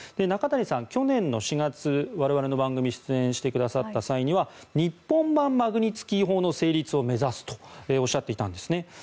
中谷さん、去年の４月我々の番組に出演してくださった際には日本版マグニツキー法の成立を目指すとおっしゃっていたんですね。